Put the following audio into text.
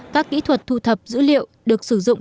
các kỹ thuật thu thập dữ liệu được sử dụng